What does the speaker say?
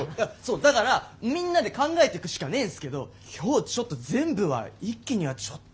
だからみんなで考えてくしかねえんすけど今日ちょっと全部は一気にはちょっと。